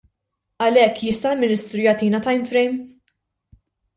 Għalhekk jista' l-Ministru jagħtina timeframe?